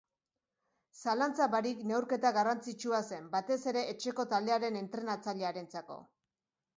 Zalantza barik neurketa garrantzitsua zen, batez ere etxeko taldearen entrenatzailearentzako.